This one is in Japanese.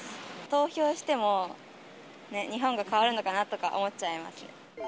投票しても、日本が変わるのかなとか思っちゃいます。